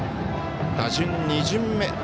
打順、２巡目。